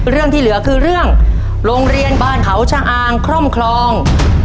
เรื่องที่เหลือคือเรื่องโรงเรียนบ้านเขาชะอางคร่อมครอง